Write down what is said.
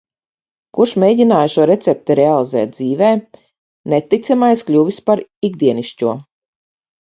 Kurš mēģināja šo recepti realizēt dzīvē. Neticamais kļuvis par ikdienišķo.